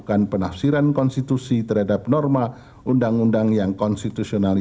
tensional bitcoin servis penelitian aplikasi j irfan